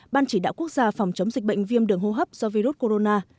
ban chỉ đạo quốc gia phòng chống dịch bệnh viêm đường hô hấp do virus corona